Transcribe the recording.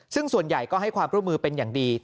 ซึ่งส่วนใหญ่ก็ให้ความร่วมมือเป็นอย่างดี